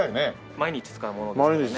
毎日使うものですからね。